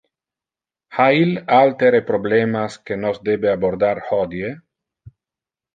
Ha il altere problemas que nos debe abordar hodie?